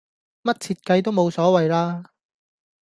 乜設計都無所謂啦